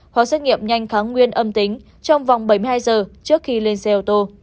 khóa xét nghiệm nhanh kháng nguyên âm tính trong vòng bảy mươi hai giờ trước khi lên xe ô tô